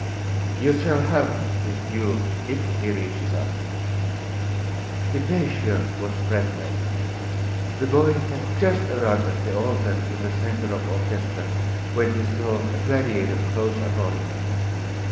'You shall have this youth, if he reaches us.' Hypatia watched breathless. The boy had just arrived at the altar in the centre of the orchestra, when he saw a gladiator close upon him.